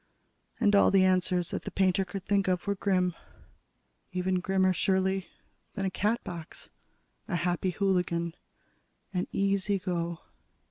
All the answers that the painter could think of were grim. Even grimmer, surely, than a Catbox, a Happy Hooligan, an Easy Go.